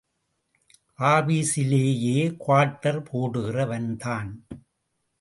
ஆபீஸிலேயே quarter போடுகிற வன்தான்.